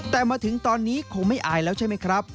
แต่มาถึงตอนนี้คงไม่อายแล้วใช่ไหมครับ